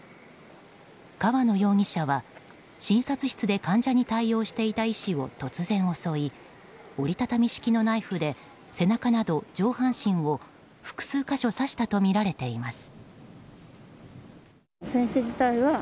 川野容疑者は診察室で患者に対応していた医師を突然、襲い折り畳み式のナイフで、背中など上半身を複数箇所刺したとみられています。